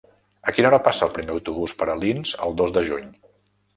A quina hora passa el primer autobús per Alins el dos de juny?